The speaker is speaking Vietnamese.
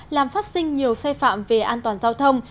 làm phát sinh nhiều xe phạm về an toàn giao thông